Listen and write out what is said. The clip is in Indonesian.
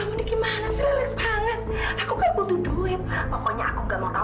yaudah guaheavy gue bos limitex treatment dulu